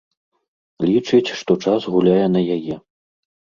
Лічыць, што час гуляе на яе.